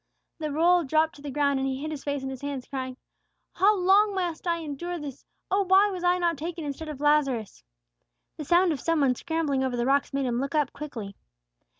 The roll dropped to the ground, and he hid his face in his hands, crying, "How long must I endure this? Oh, why was I not taken instead of Lazarus?" The sound of some one scrambling over the rocks made him look up quickly.